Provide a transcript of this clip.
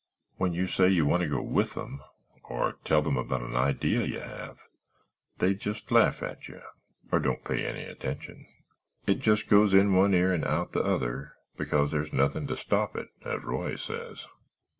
"When you say you want to go with them or tell them about an idea you have, they just laugh at you, or don't pay any attention. It just goes in one ear and out the other—because there's nothing to stop it, as Roy says.